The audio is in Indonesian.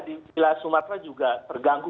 di wilayah sumatera juga terganggu